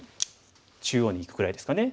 中央にいくぐらいですかね。